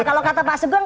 kalau kata pak sebuah